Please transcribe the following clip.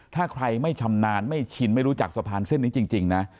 ถ้าใครไม่ชำนาญไม่ชินไม่รู้จักสะพานเส้นนี้จริงนะ